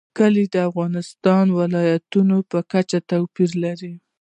کلي د افغانستان د ولایاتو په کچه توپیر لري.